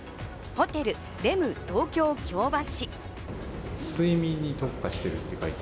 ホテルレム東京京橋。